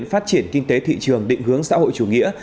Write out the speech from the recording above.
phát triển kinh tế thị trường định hướng xã hội chủ nghĩa